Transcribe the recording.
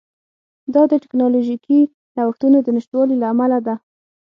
دا د ټکنالوژیکي نوښتونو د نشتوالي له امله ده